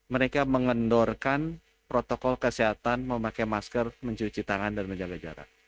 mereka mengendorkan protokol kesehatan memakai masker mencuci tangan dan menjaga jarak